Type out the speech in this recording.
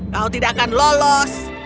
kau tidak akan lolos